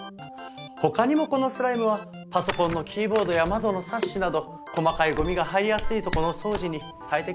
他にもこのスライムはパソコンのキーボードや窓のサッシなど細かいゴミが入りやすい所のお掃除に最適でございます。